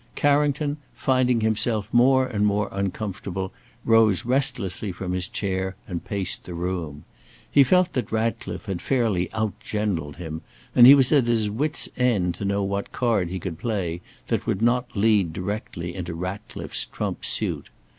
Carrington, finding himself more and more uncomfortable, rose restlessly from his chair and paced the room. He felt that Ratclife had fairly out generaled him, and he was at his wits' end to know what card he could play that would not lead directly into Ratcliffe's trump suit.